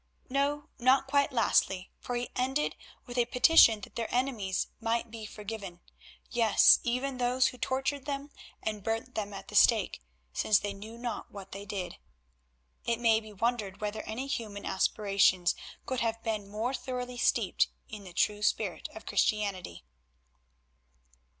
No, not quite lastly, for he ended with a petition that their enemies might be forgiven, yes, even those who tortured them and burnt them at the stake, since they knew not what they did. It may be wondered whether any human aspirations could have been more thoroughly steeped in the true spirit of Christianity.